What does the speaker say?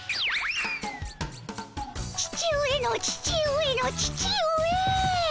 父上の父上の父上。